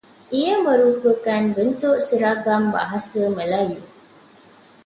Ia merupakan bentuk seragam bahasa Melayu.